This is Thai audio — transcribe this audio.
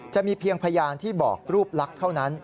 จะมีเพียงพยานที่บอกรูปลักษณ์เท่านั้น